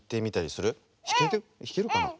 ひけるかな？